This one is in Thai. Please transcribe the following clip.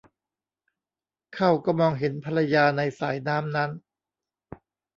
เข้าก็มองเห็นภรรยาในสายน้ำนั้น